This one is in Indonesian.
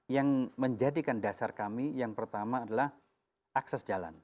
yang menjadikan dasar kami yang pertama adalah akses jalan